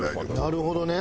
なるほどね。